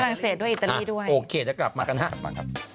ฝรั่งเศสด้วยอิตาลีด้วยโอเคจะกลับมากันฮะ